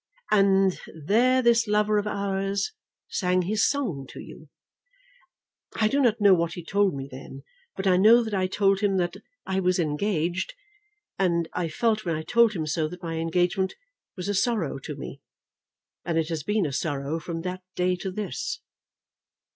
"And there this lover of ours sang his song to you?" "I do not know what he told me then; but I know that I told him that I was engaged; and I felt when I told him so that my engagement was a sorrow to me. And it has been a sorrow from that day to this."